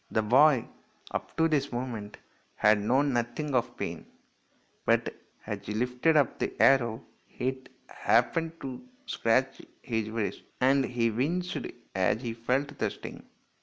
The boy, up to this moment, had known nothing of pain, but as he lifted up the arrow it happened to scratch his wrist, and he winced as he felt the sting.